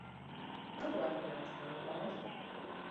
how do i pronounce camouflage.